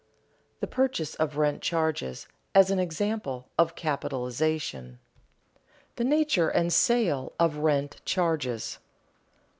THE PURCHASE OF RENT CHARGES AS AN EXAMPLE OF CAPITALIZATION [Sidenote: The nature and sale of rent charges] 1.